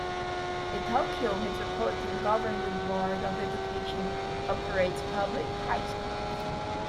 The Tokyo Metropolitan Government Board of Education operates public high schools.